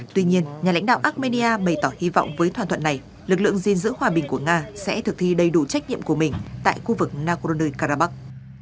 tuy nhiên nhà lãnh đạo armenia bày tỏ hy vọng với thỏa thuận này lực lượng gìn giữ hòa bình của nga sẽ thực thi đầy đủ trách nhiệm của mình tại khu vực nagorno karabakh